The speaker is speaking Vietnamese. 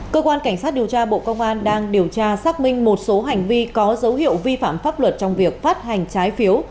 cơ quan cảnh sát điều tra bộ công an đang điều tra xác minh một số hành vi có dấu hiệu vi phạm pháp luật trong việc phát hành trái phiếu